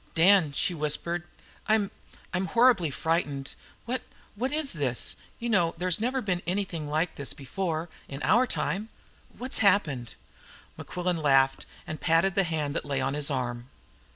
"Dan," she whispered. "I'm I'm horribly frightened! What what is this? You know, there's never been anything like this before in our time. What's happened?" Mequillen laughed, and patted the hand that lay on his arm.